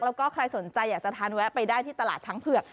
แล้วก็ใครสนใจอยากจะทานแวะไปได้ที่ตลาดช้างเผือก